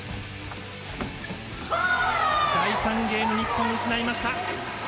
第３ゲーム、日本失いました。